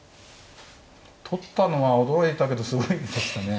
取ったのは驚いたけどすごい手でしたね。